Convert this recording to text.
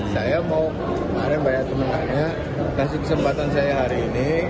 saya mau kemarin banyak teman nanya kasih kesempatan saya hari ini